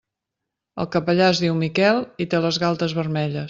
El capellà es diu Miquel i té les galtes vermelles.